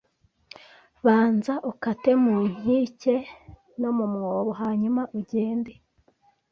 Banza ukate mu nkike no mu mwobo hanyuma ugenda